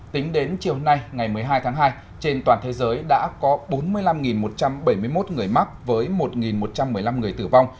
tính đến chiều nay ngày một mươi hai tháng hai trên toàn thế giới đã có bốn mươi năm một trăm bảy mươi một người mắc với một một trăm một mươi năm người tử vong